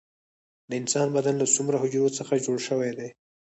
د انسان بدن له څومره حجرو څخه جوړ شوی دی